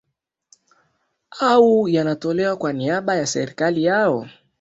au yanayotolewa kwa niaba ya serikali yao